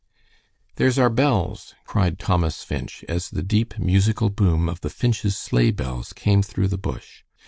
"There's our bells," cried Thomas Finch, as the deep, musical boom of the Finch's sleigh bells came through the bush.